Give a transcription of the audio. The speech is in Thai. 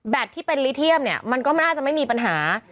ที่เป็นลิเทียมเนี่ยมันก็ไม่น่าจะไม่มีปัญหา